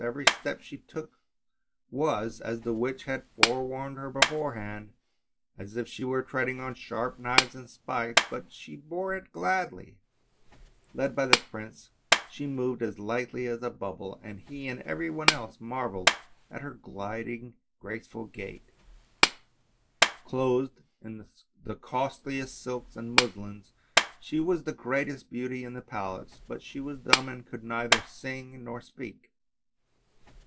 Every step she took was, as the witch had warned her beforehand, as if she were treading on sharp knives and spikes but she bore it gladly; led by the prince she moved as lightly as a bubble, and he and every one else marvelled at her graceful gilding gait. Clothed in the costliest silks and muslins she was the greatest beauty in the palace, but she was dumb and could neither sing nor speak.